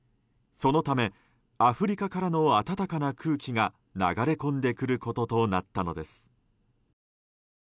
そのためアフリカからの暖かな空気が流れ込んでくることとなったのです。